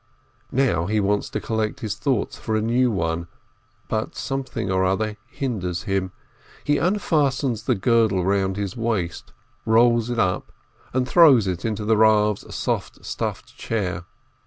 Now he wants to collect his thoughts for the new one, but something or other hinders him. He unfastens the girdle round his waist, rolls it up, and throws it into the Eav's soft stuffed chair.